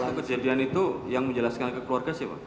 waktu kejadian itu yang menjelaskan kekeluarga sih pak